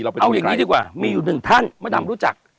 เอาอย่างนี้ดีกว่ามีอยู่หนึ่งท่านมดำรู้จัก